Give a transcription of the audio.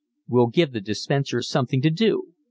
"We'll give the dispenser something to do.